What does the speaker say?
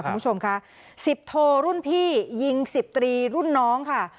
คุณผู้ชมค่ะสิบโทรุ่นพี่ยิง๑๐ตรีรุ่นน้องค่ะ